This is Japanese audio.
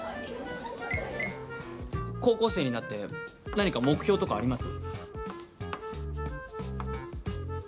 高校生になって何か目標とかあります？